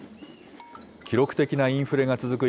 記録的なインフレが続く